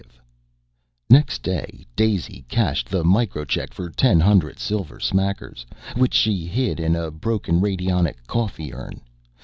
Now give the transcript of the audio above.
V Next day Daisy cashed the Micro check for ten hundred silver smackers, which she hid in a broken radionic coffee urn.